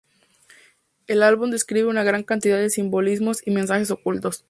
El álbum describe una gran cantidad de simbolismos y mensajes ocultos.